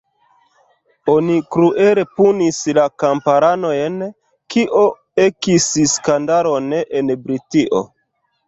Oni kruele punis la kamparanojn, kio ekis skandalon en Britio.